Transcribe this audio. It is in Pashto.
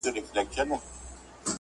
بلکي تشويق يې کړه